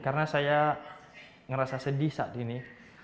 karena saya merasa sedih saat ini